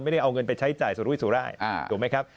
ไม่ได้เอาเงินไปใช้จ่ายสู่รุ่นสู่ร่าย